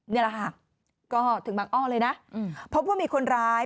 นี่แหละค่ะก็ถึงบางอ้อเลยนะพบว่ามีคนร้าย